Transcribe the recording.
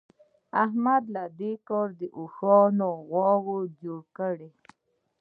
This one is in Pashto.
احمد له دې کاره د اوښ غوو جوړ کړل.